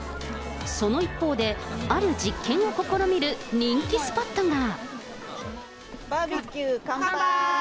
その一方で、ある実験を試みる人気スポットが。